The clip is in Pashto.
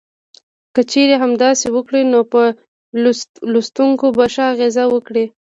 که چېرې همداسې وکړي نو په لوستونکو به ښه اغیز وکړي.